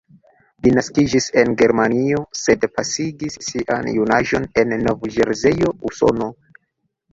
Li naskiĝis en Germanio, sed pasigis sian junaĝon en Nov-Ĵerzejo, Usono.